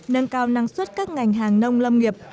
nâng cao năng suất các ngành hàng nông lâm nghiệp